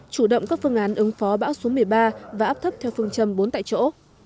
chủ động các phương án ứng phó bão số một mươi ba và áp thấp theo phương châm bốn tại chỗ